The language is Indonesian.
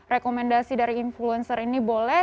berbeda sih dari influencer ini boleh